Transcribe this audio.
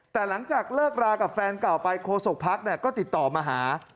แต่หลังจากเลิกรากับแฟนเก่าไปโคศกพักก็ติดต่อมาหา